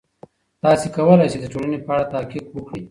تاسې کولای سئ د ټولنې په اړه تحقیق وکړئ.